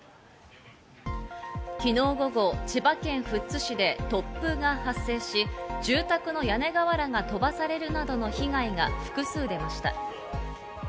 昨日午後、千葉県富津市で突風が発生し、住宅の屋根瓦が飛ばされるなどの被害が複数出ました。